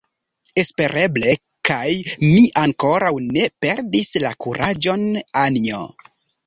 Espereble; kaj mi ankoraŭ ne perdis la kuraĝon, Anjo.